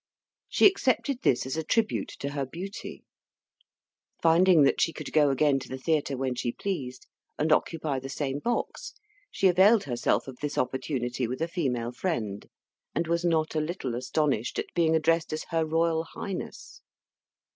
She accepted this as a tribute to her beauty. Finding that she could go again to the theatre when she pleased, and occupy the same box, she availed herself of this opportunity with a female friend, and was not a little astonished at being addressed as Her Royal Highness.